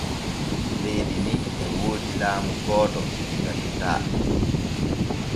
Leydi ni o woodi laamu gooto diga totaa.